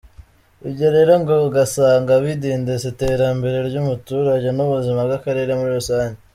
Ibyo rero ngo ugasanga bidindiza iterambere ry’umuturage n’ubuzima bw’akarere muri rusange.